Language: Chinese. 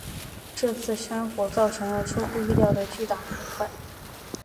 这次山火造成了出乎意料的巨大破坏。